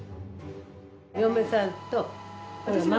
嫁さんと孫。